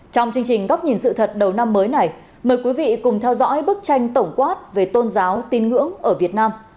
trong chương trình góc nhìn sự thật đầu năm mới này mời quý vị cùng theo dõi bức tranh tổng quát về tôn giáo tin ngưỡng ở việt nam